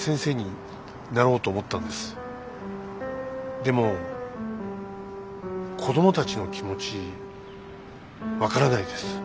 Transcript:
でも子供たちの気持ち分からないです。